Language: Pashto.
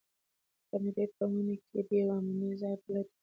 قمري په ونې کې د یوې امنې ځالۍ په لټه کې وه.